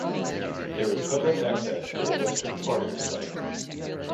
There is public access to the western part of the site.